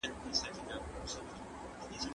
شاید په هیواد کې د بیکارۍ کچه کمه سي.